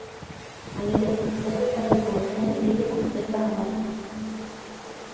Halere, zer gertatuko ote den ligetan ez dago argi.